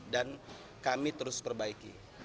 dan kami terus perbaiki